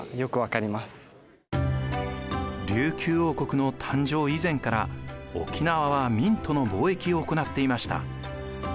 琉球王国の誕生以前から沖縄は明との貿易を行っていました。